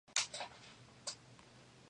Chapter information from national website.